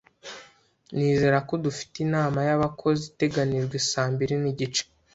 Nizera ko dufite inama y'abakozi iteganijwe saa mbiri n'igice.